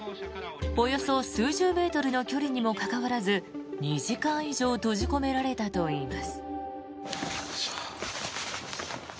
およそ数十メートルの距離にもかかわらず２時間以上閉じ込められたといいます。